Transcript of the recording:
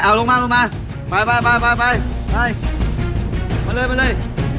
เอาลงมาลงมาไปไปไปไปไปมาเลยมาเลย